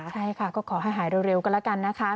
ใช่ค่ะก็ขอให้หายเร็วก็แล้วกันนะคะ